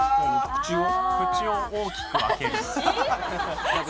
口を大きく開ける。